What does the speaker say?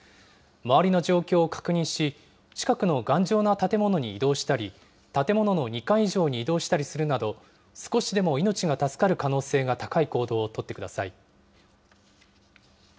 周りの状況を確認し、近くの頑丈な建物に移動したり、建物の２階以上に移動したりするなど、少しでも命が助かる可能性が高い行動を取ってください。